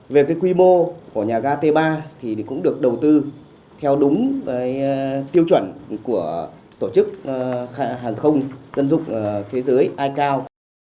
về cái quy mô của nhà ga t ba thì cũng được đầu tư theo đúng tiêu chuẩn của tổ chức hàng không dân dụng thế giới icao